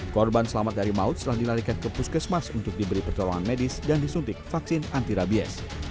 korban selamat dari maut setelah dilarikan ke puskesmas untuk diberi pertolongan medis dan disuntik vaksin anti rabies